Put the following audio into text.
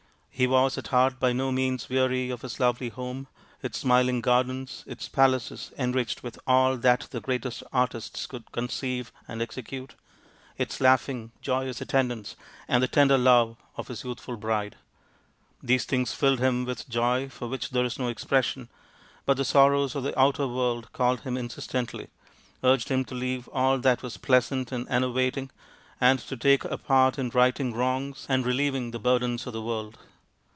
He was at heart by no means weary of his lovely home, its smiling gardens, its palaces enriched with all that the greatest artists could conceive and execute, its laughing, joyous attendants and the tender love of his youthful bride. These things filled him with joy for which there is no expression, but the sorrows of the outer world called him insistently, urged him to leave all that was pleasant and ennervating, and to take a part in righting wrongs and relieving the burden of the world.